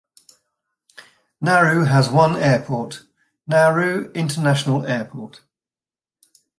Nauru has one airport, Nauru International Airport.